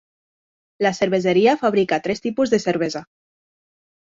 La cerveseria fabrica tres tipus de cervesa.